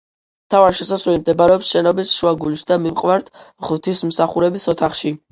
მთავარი შესასვლელი მდებარეობს შენობის შუაგულში და მივყავართ ღვთისმსახურების ოთახში.